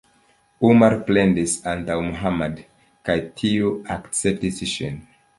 Umar plendis antaŭ Muhammad kaj tiu akceptis ŝin.